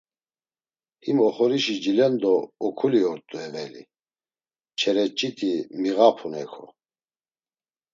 Him, oxorişi cilendo okuli ort̆u eveli, çereç̌iti miğapun heko.